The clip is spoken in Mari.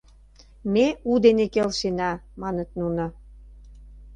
— Ме у дене келшена, — маныт нуно.